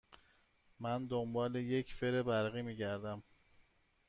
من دنبال یک فر برقی می گردم.